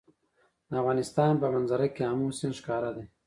د افغانستان په منظره کې آمو سیند ښکاره ده.